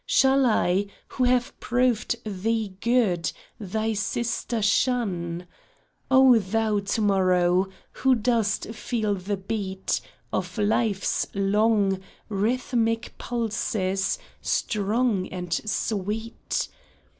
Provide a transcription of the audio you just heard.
Shall I, who have proved thee good, thy sister shun ? O thou To morrow, who dost feel the beat Of life's long, rhythmic pulses, strong and sweet.